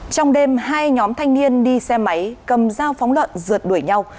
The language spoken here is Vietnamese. trong đêm hai nhóm thanh niên đi xe máy cầm dao phóng lợn rượt đuổi nhau